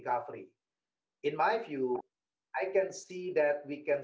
dan lebih baik di masa depan